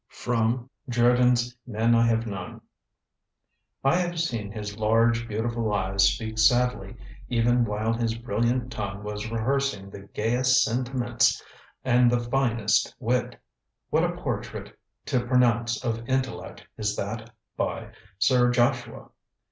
'" [Sidenote: Jerdan's Men I have known.] "I have seen his large beautiful eyes speak sadly, even while his brilliant tongue was rehearsing the gayest sentiments and the finest wit.... What a portrait to pronounce of intellect is that by Sir Joshua!